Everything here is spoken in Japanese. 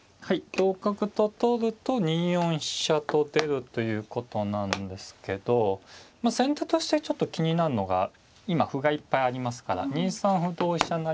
はい同角と取ると２四飛車と出るということなんですけど先手としてちょっと気になるのが今歩がいっぱいありますから２三歩同飛車